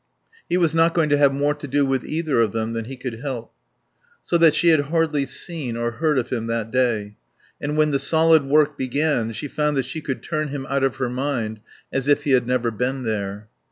He was not going to have more to do with either of them than he could help. So that she had hardly seen or heard of him that day. And when the solid work began she found that she could turn him out of her mind as if he had never been there.